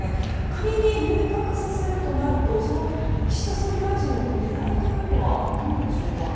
仮に、入閣させるとなると岸田総理大臣の狙いというのは何なんでしょうか。